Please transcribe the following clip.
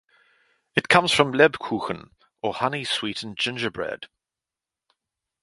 It comes from Lebkuchen, or honey-sweetened gingerbread.